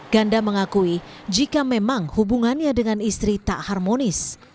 ganda mengakui jika memang hubungannya dengan istri tak harmonis